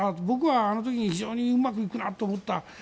僕はあの時非常にうまくいくと思った。